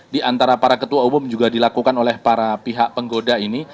di antara para ketua umum juga dilakukan oleh para pihak penggoda ini